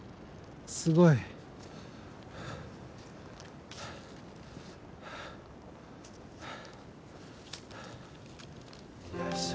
すごい。よいしょ。